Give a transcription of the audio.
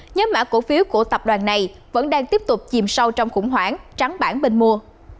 nhóm mã cổ phiếu của tập đoàn này vẫn đang tiếp tục chìm sâu trong khủng hoảng trắng bản bên mua